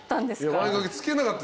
前掛け着けなかった。